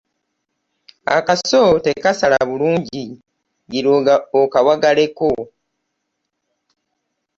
Akaso tekasala bulungi gira okawagaleko.